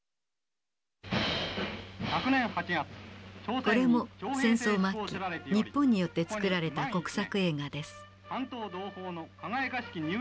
これも戦争末期日本によって作られた国策映画です。